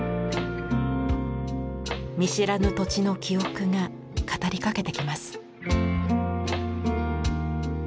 見知らぬ土地の記憶が語りかけてきます。